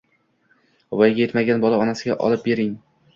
Voyaga yetmagan bola onasiga olib berilding